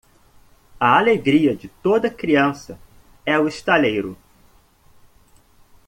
A alegria de toda criança é o estaleiro.